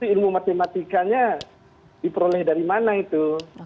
ilmu matematikanya diperoleh dari mana itu